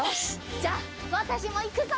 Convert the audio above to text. じゃあわたしもいくぞ！